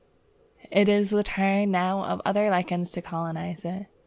It is the turn now of other lichens to colonize it.